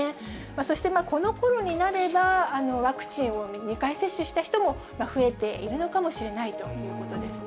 そしてこのころになれば、ワクチンを２回接種した人も増えているのかもしれないということ